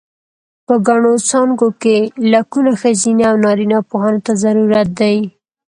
په ګڼو څانګو کې لکونو ښځینه و نارینه پوهانو ته ضرورت دی.